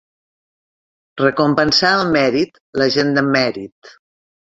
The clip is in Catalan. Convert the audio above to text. Recompensar el mèrit, la gent de mèrit.